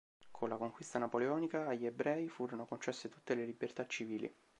Con la conquista napoleonica agli ebrei furono concesse tutte le libertà civili.